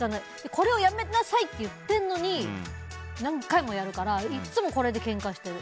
これをやめなさいって言ってるのに何回もやるからいつもこれでけんかしてる。